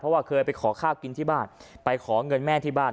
เพราะว่าเคยไปขอข้าวกินที่บ้านไปขอเงินแม่ที่บ้าน